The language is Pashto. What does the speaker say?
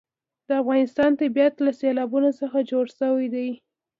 د افغانستان طبیعت له سیلابونه څخه جوړ شوی دی.